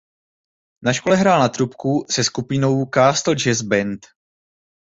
Na škole hrál na trubku se skupinou Castle Jazz Band.